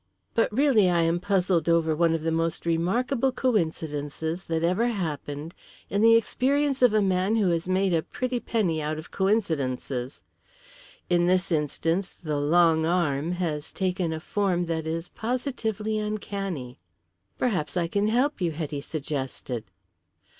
But really I am puzzled over one of the most remarkable coincidences that ever happened in the experience of a man who has made a pretty penny out of coincidences. In this instance 'the long arm' has taken a form that is positively uncanny." "Perhaps I can help you," Hetty suggested.